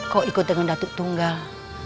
kau ikut dengan dato' tunggal